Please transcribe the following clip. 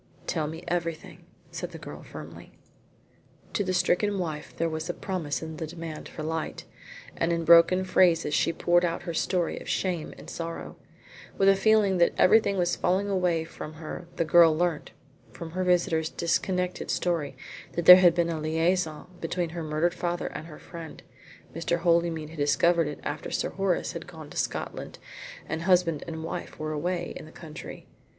"Tell me everything," said the girl firmly. To the stricken wife there was a promise in the demand for light, and in broken phrases she poured out her story of shame and sorrow. With a feeling that everything was falling away from her the girl learnt from her visitor's disconnected story that there had been a liaison between her murdered father and her friend. Mr. Holymead had discovered it after Sir Horace had gone to Scotland and husband and wife were away in the country.